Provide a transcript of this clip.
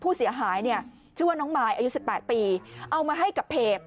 ผู้เสียหายเนี่ยชื่อว่าน้องมายอายุ๑๘ปีเอามาให้กับเพจ